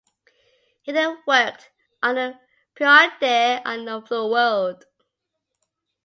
He then worked on the Phoridae of the world.